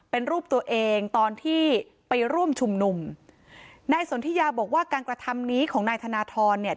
เป็นรูปตัวเองตอนที่ไปร่วมชุมนุมนายสนทิยาบอกว่าการกระทำนี้ของนายธนทรเนี่ย